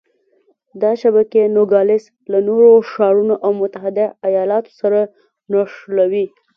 دا شبکې نوګالس له نورو ښارونو او متحده ایالتونو سره نښلوي.